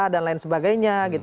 dan lain sebagainya